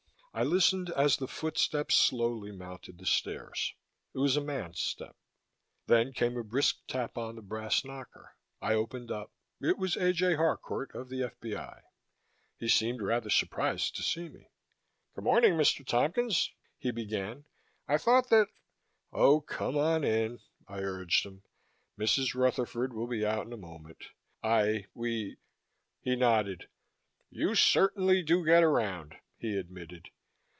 I listened as the footsteps slowly mounted the stairs. It was a man's step. Then came a brisk tap on the brass knocker. I opened up. It was A. J. Harcourt of the F.B.I. He seemed rather surprised to see me. "Good morning, Mr. Tompkins," he began. "I thought that " "Oh, come on in," I urged him. "Mrs. Rutherford will be out in a moment. I we...." He nodded. "You certainly do get around," he admitted.